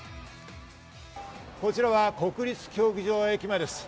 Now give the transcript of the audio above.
こちらは国立競技場駅前です。